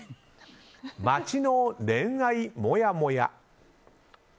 街の恋愛もやもや。